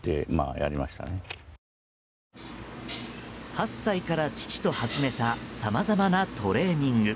８歳から父と始めたさまざまなトレーニング。